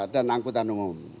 dan angkutan umum